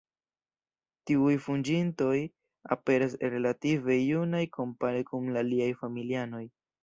Tiuj "fuĝintoj" aperas relative junaj kompare kun la aliaj familianoj.